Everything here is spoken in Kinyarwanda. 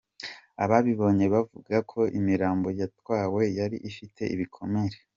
Ababibonye bavuga ko imirambo yatwawe yari ifite ibikomere.